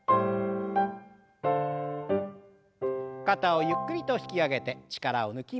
肩をゆっくりと引き上げて力を抜きます。